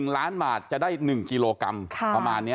๑ล้านบาทจะได้๑กิโลกรัมประมาณนี้